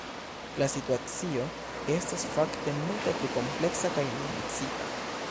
La situacio estas fakte multe pli kompleksa kaj nuancita.